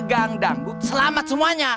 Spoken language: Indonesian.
gang danggu selamat semuanya